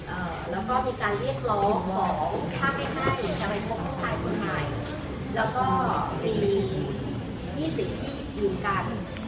เอ่อแล้วก็มีการเรียกร้องของถ้าไม่ได้จะไปพบชายคนใหม่แล้วก็มี๒๐ที่อยู่กัน